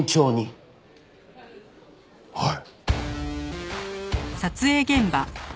はい。